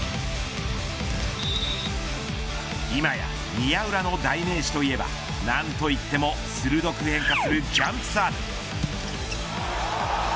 今や、宮浦の代名詞といえば何といっても鋭く変化するジャンプサーブ。